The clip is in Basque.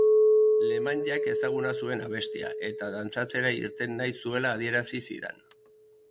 Iemanjak ezaguna zuen abestia, eta dantzatzera irten nahi zuela adierazi zidan.